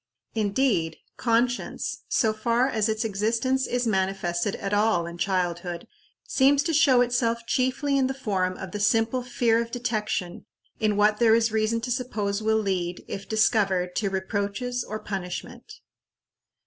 Indeed, conscience, so far as its existence is manifested at all in childhood, seems to show itself chiefly in the form of the simple fear of detection in what there is reason to suppose will lead, if discovered, to reproaches or punishment.